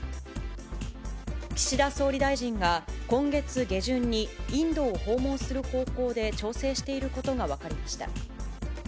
岸田総理大臣が、今月下旬にインドを訪問する方向で調整していることが分かりました。